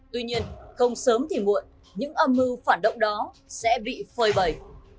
tuy nhiên không sớm thì muộn những âm mưu phản động đó sẽ bị phơi bầy